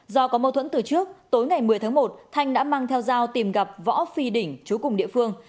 do có mâu thuẫn từ trước tối ngày một mươi tháng một thanh đã mang theo dao tìm gặp võ phi đỉnh chú cùng địa phương